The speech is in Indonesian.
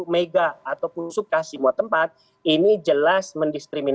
satu mega atau pun sub kas semua tempat ini jelas mendirikan